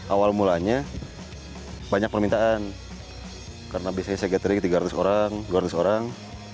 awal mulanya banyak permintaan karena biasanya saya gathering tiga ratus orang dua ratus orang